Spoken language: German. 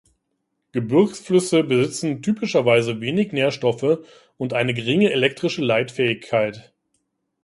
Gebirgsflüsse besitzen typischerweise wenig Nährstoffe und eine geringe elektrische Leitfähigkeit.